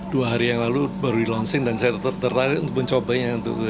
dua hari yang lalu baru di launching dan saya tetap terlari untuk mencobanya untuk ke jogja